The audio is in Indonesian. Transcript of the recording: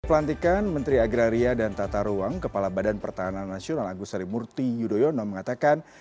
pelantikan menteri agraria dan tata ruang kepala badan pertahanan nasional agus harimurti yudhoyono mengatakan